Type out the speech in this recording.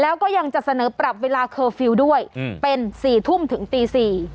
แล้วก็ยังจะเสนอปรับเวลาเคอร์ฟิวด้วยอืมเป็นสี่ทุ่มถึงตีสี่